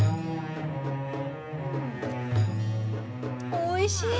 おいしい！